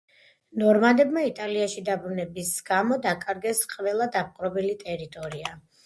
ნორმანებმა იტალიაში დაბრუნების გამო დაკარგეს ყველა დაპყრობილი ტერიტორია.